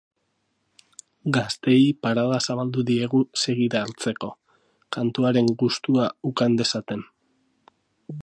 Gazteei parada zabaldu diegu segida hartzeko, kantuaren gustua ukan dezaten.